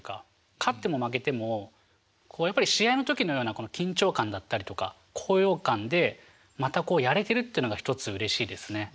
勝っても負けてもやっぱり試合の時のようなこの緊張感だったりとか高揚感でまたこうやれてるっていうのが１つうれしいですね。